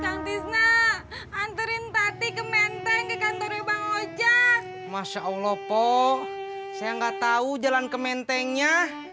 cantik nah anterin tadi kementeng kantor bang ojak masya allah po saya nggak tahu jalan kementengnya